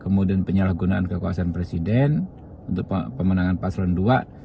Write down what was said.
kemudian penyalahgunaan kekuasaan presiden untuk pemenangan paslon dua